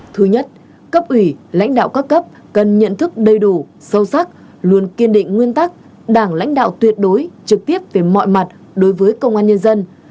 thứ nhất cấp ủy lãnh đạo các cấp cần nhận thức đầy đủ sâu sắc luôn kiên định nguyên tắc đảng lãnh đạo tuyệt đối trực tiếp về mọi mặt đối với công an nhân dân